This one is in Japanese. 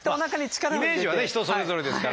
まあイメージはね人それぞれですから。